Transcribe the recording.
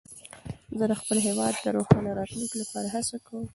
زه د خپل هېواد د روښانه راتلونکي لپاره هڅه کوم.